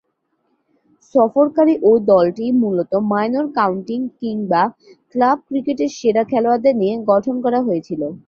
সফরকারী ঐ দলটি মূলতঃ মাইনর কাউন্টি কিংবা ক্লাব ক্রিকেটের সেরা খেলোয়াড়দের নিয়ে গঠন করা হয়েছিল।